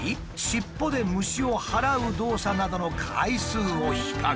尻尾で虫を払う動作などの回数を比較。